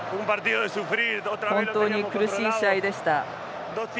本当に苦しい試合でした。